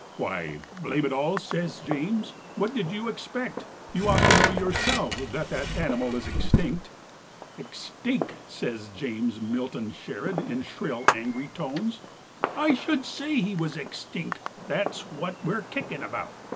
"Why, blame it all," says James, "what did you expect? You ought to know yourself that that animal is extinct!" "Extinck!" says James Milton Sherrod, in shrill, angry tones. "I should say he was extinck. That's what we're kickin' about.